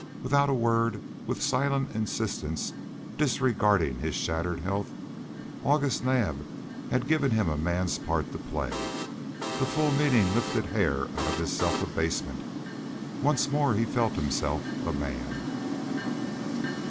Without a word, with silent insistence, disregarding his shattered health, August Naab had given him a man's part to play. The full meaning lifted Hare out of his self abasement; once more he felt himself a man.